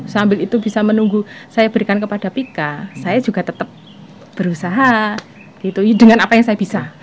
sambil itu bisa menunggu saya berikan kepada pika saya juga tetap berusaha dengan apa yang saya bisa